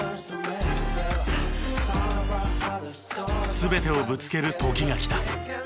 全てをぶつける時が来た。